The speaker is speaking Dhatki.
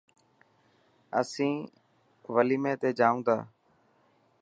اسين وليمي تي جائون تا.